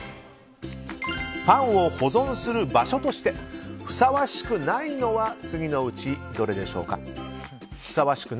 パンを保存する場所としてふさわしくないのは次のうち、どれでしょうか。